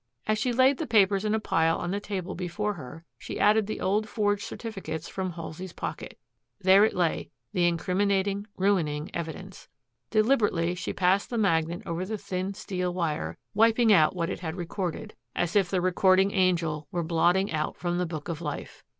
As she laid the papers in a pile on the table before her she added the old forged certificates from Halsey's pocket. There it lay, the incriminating, ruining evidence. Deliberately she passed the magnet over the thin steel wire, wiping out what it had recorded, as if the recording angel were blotting out from the book of life.